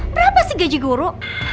berapa sih gaji guru